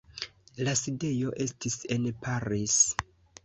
La sidejo estis en Paris.